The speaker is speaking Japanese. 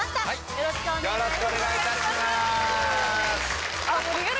「よろしくお願いします」